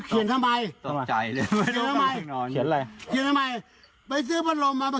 เขียนทำไมต้องมาใจเลยเขียนทำไมเขียนทำไมไปซื้อพระโรมมา